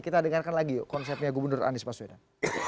kita dengarkan lagi yuk konsepnya gubernur anies baswedan